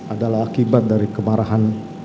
adalah akibat dari kemarahan